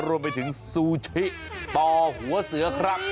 รวมไปถึงซูชิต่อหัวเสือครับ